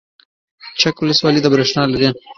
چک ولسوالۍ بریښنا لري؟